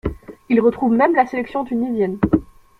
Il retrouve même la sélection tunisienne.